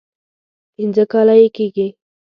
پنځه کاله یې کېږي.